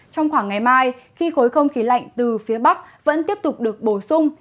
trong khoảng ngày mai khi khối không khí lạnh từ phía bắc vẫn tiếp tục được bổ sung